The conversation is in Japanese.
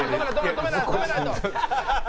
止めないと！